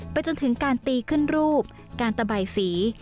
จนถึงการตีขึ้นรูปการตะใบสี